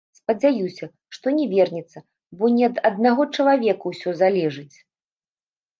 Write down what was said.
Спадзяюся, што не вернецца, бо не ад аднаго ж чалавека ўсё залежыць!